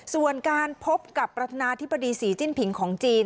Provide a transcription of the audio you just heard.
ส่วนการพบกับปรารถนาทฤษีจิ้นผิงของจีน